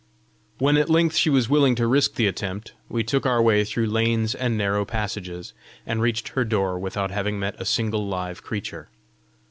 When at length she was willing to risk the attempt, we took our way through lanes and narrow passages, and reached her door without having met a single live creature.